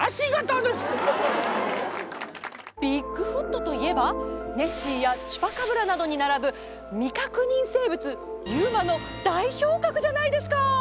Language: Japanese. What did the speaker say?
ビッグフットといえばネッシーやチュパカブラなどにならぶ未確認生物ＵＭＡの代表格じゃないですか！